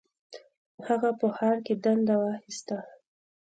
هغه په ښار کې دنده واخیسته.